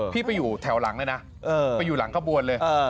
พี่ไปอยู่แถวหลังเลยนะไปอยู่หลังขบวนเลย